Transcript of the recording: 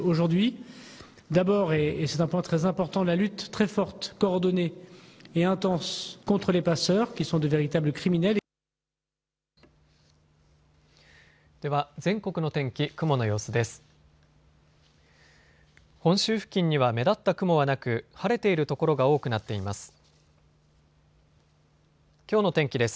本州付近には目立った雲はなく晴れている所が多くなっています。